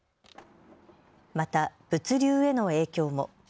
また物流への影響も。